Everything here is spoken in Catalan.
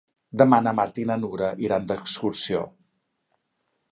Demà na Marta i na Nura iran d'excursió.